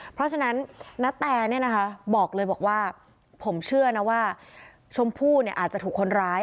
เพราะฉะนั้นณแตบอกเลยบอกว่าผมเชื่อนะว่าชมพู่อาจจะถูกคนร้าย